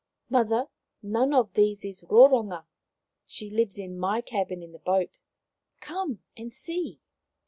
" Mother, none of these is Roronga. She lies in my cabin in the boat. Come and see